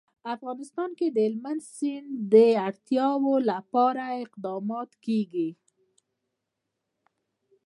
افغانستان کې د هلمند سیند د اړتیاوو لپاره اقدامات کېږي.